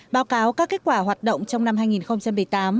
báo cáo các kết quả hoạt động trong năm